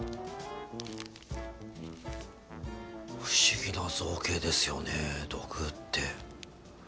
不思議な造形ですよね土偶って。